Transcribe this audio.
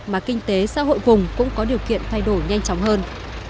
mà kinh tế xã hội vùng cũng có điều kiện thay đổi nhanh chóng hơn